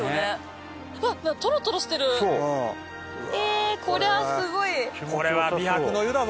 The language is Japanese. ええーこりゃすごい！